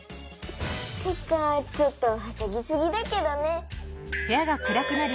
てかちょっとはしゃぎすぎだけどね。